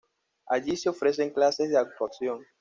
Allí se ofrecen clases de actuación.